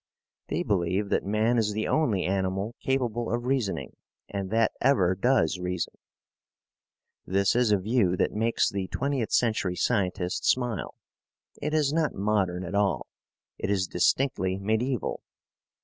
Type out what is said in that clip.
They believe that man is the only animal capable of reasoning and that ever does reason. This is a view that makes the twentieth century scientist smile. It is not modern at all. It is distinctly mediaeval.